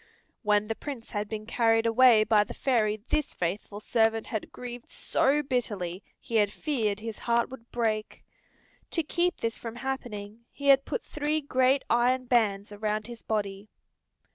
When the Prince had been carried away by the fairy this faithful servant had grieved so bitterly he had feared his heart would break. To keep this from happening he had put three great iron bands around his body.